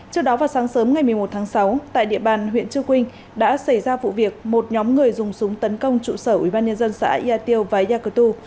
trước đó vào sáng sớm ngày một mươi một tháng sáu tại địa bàn huyện chưa quỳnh đã xảy ra vụ việc một nhóm người dùng súng tấn công trụ sở ủy ban nhân dân xã yatio và yakutu